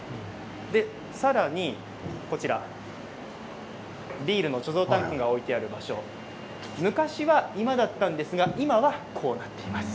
さらにビールの貯蔵タンクが置いてある場所、昔は居間だったんですが今はこうなっています。